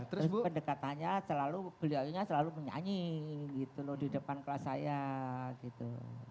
terus pendekatannya selalu beliau nya selalu menyanyi gitu loh di depan kelas saya gitu